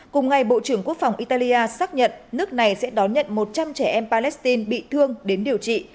cùng ngày bộ trưởng quốc phòng italia xác nhận nước này sẽ đón nhận một trăm linh trẻ em palestine bị thương đến điều trị